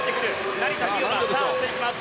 成田実生がターンしていきます。